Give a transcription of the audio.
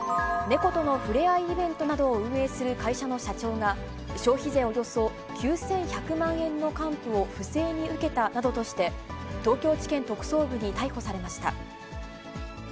猫とのふれあいイベントなどを運営する会社の社長が、消費税およそ９１００万円の還付を不正に受けたなどとして、東京地検特捜部に逮捕されました。